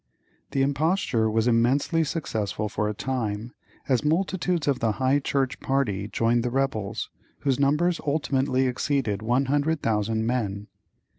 The imposture was immensely successful for a time, as multitudes of the High Church party joined the rebels, whose numbers ultimately exceeded one hundred thousand men.